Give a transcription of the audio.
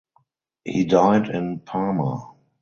He died in Parma.